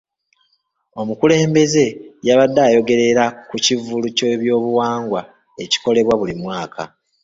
Omukulembeze yabadde ayogerera ku kivvulu ky'ebyobuwangwa ekikolebwa buli mwaka.